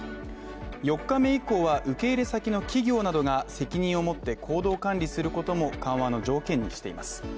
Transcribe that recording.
４日目以降は、受け入れ先の企業などが、責任を持って行動管理することも緩和の条件にしています。